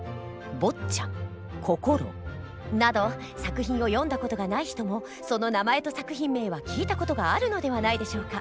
「坊っちゃん」「こころ」など作品を読んだ事がない人もその名前と作品名は聞いた事があるのではないでしょうか。